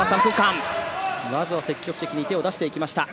まずは積極的に手を出していきました。